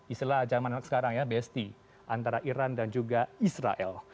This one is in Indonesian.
istilah zaman anak sekarang ya besti antara iran dan juga israel